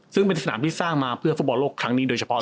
ซึ่งเป็นสนามที่สร้างมาเพื่อฟุตบอลโลกครั้งนี้โดยเฉพาะ